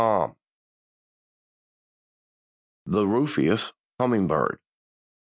] THE RUFOUS HUMMINGBIRD.